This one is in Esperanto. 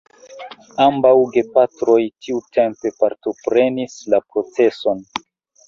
Ambaŭ gepatroj tiutempe partoprenis la proceson.